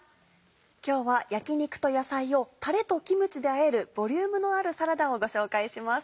今日は焼き肉と野菜をたれとキムチであえるボリュームのあるサラダをご紹介します。